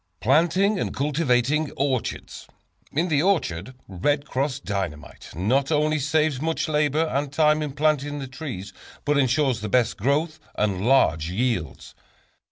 Planting and Cultivating Orchards. In the orchard "Red Cross" Dynamite not only saves much labor and time in planting the trees, but ensures the best growth and large yields.